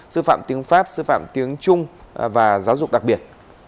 sư phạm tiếng pháp sư phạm tiếng trung và giáo dục đặc biệt